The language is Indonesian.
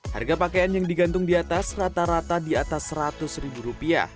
harga pakaian yang digantung di atas rata rata di atas rp seratus